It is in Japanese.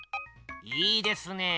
いいですねえ。